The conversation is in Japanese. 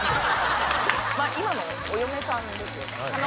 今のお嫁さんですよね。